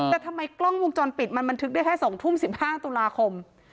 แต่ทำไมกล้องวงจรปิดมันบันทึกได้แค่๒ทุ่ม๑๕ตุลาคม